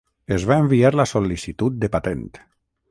Es va enviar la sol·licitud de patent.